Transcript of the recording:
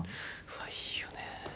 うわいいよね。